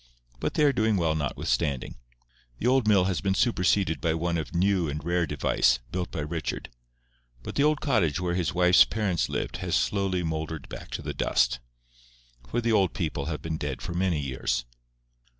But they are doing well notwithstanding. The old mill has been superseded by one of new and rare device, built by Richard; but the old cottage where his wife's parents lived has slowly mouldered back to the dust. For the old people have been dead for many years.